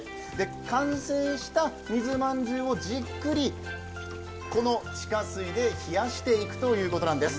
完成した水まんじゅうをじっくり、この地下水で冷やしていくということなんです